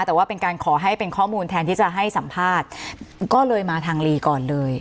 แต่ว่าเป็นการขอให้เป็นข้อมูลแทนที่จะให้สัมภาษณ์ก็เลยมาทางลีก่อนเลย